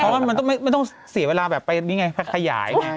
เพราะว่ามันไม่ต้องเสียเวลาแบบไปนี่ไงไปขยายไง